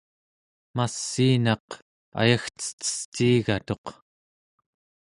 massiinaq ayagcetesciigatuq